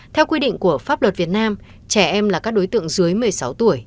theo quy định của pháp luật việt nam trẻ em là các đối tượng dưới một mươi sáu tuổi